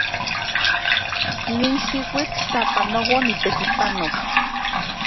Nin xiuitl sapanoa onitekipanok.